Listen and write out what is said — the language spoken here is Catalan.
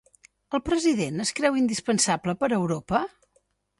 El president es creu indispensable per a Europa?